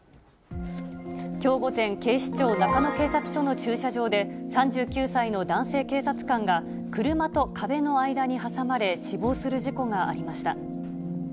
きょう午前、警視庁中野警察署の駐車場で、３９歳の男性警察官が、車と壁の間に挟まれ、死亡する事故がありました。